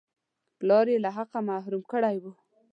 پلار یې له حقه محروم کړی وو.